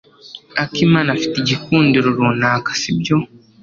akimana afite igikundiro runaka, sibyo?